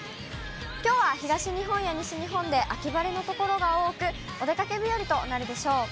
きょうは東日本や西日本で秋晴れの所が多く、お出かけ日和となるでしょう。